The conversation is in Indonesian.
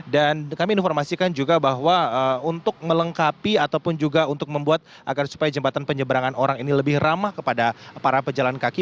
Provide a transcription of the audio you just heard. dan kami informasikan juga bahwa untuk melengkapi ataupun juga untuk membuat agar supaya jembatan penyeberangan orang ini lebih ramah kepada para pejalan kaki